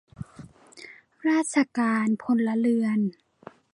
ราชการพลเรือน